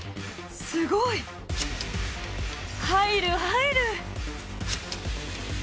すごい！入る入る！